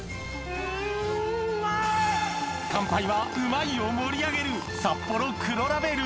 乾杯は「うまい！」を盛り上げるサッポロ黒ラベル！